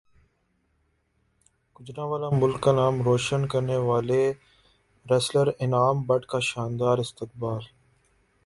گوجرانوالہ ملک کا نام روشن کرنیوالے ریسلر انعام بٹ کا شاندار استقبال